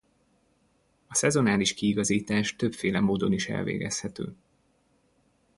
A szezonális kiigazítás többféle módon is elvégezhető.